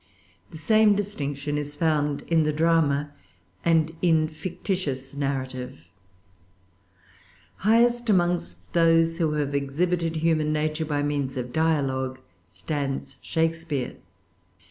The same distinction is found in the drama and in fictitious narrative. Highest among those who have exhibited human nature by means of dialogue, stands Shakespeare.